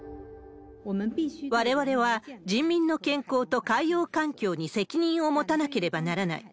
われわれは人民の健康と海洋環境に責任を持たなければならない。